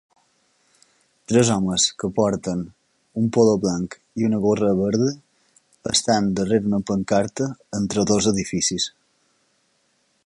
Tres homes que porten un polo blanc i una gorra verda estan darrera una pancarta entre dos edificis.